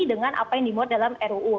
dengan apa yang dimuat dalam ruu